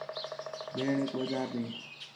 بھیݨیک بازار ݙے